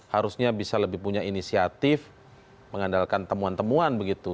harusnya bisa lebih punya inisiatif mengandalkan temuan temuan begitu